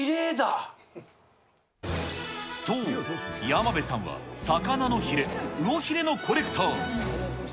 そう、山辺さんは魚のヒレ、ウオヒレのコレクター。